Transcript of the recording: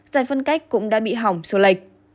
giải phân cách cũng đã bị hỏng sô lệch